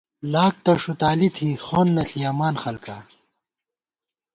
لاک تہ ݭُتالی تھی خَون نہ ݪِیَمان خَلکا